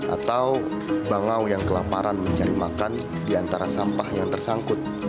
atau bangau yang kelaparan mencari makan di antara sampah yang tersangkut